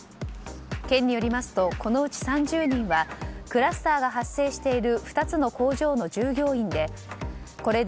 県によりますとこのうち３０人はクラスターが発生している２つの工場の従業員で